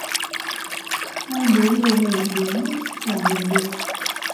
Hai đứa hồ hởi đến mức chả ngủ được